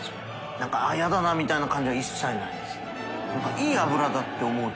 覆鵑あっ嫌だなみたいな感じは一切ないです。